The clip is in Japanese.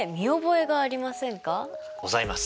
ございます。